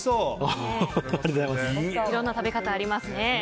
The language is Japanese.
いろんな食べ方ありますね。